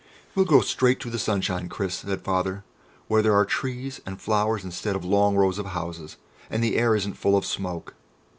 "We'll go straight to the sunshine, Chris," said Father, "where there are trees and flowers instead of long rows of houses, and the air isn't full of smoke."